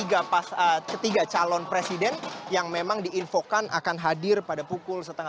ini sudah meramaikan pintu masuk begitu dengan atribut berwarna biru muda yang memang seperti yang anda bisa saksikan di layar kaca anda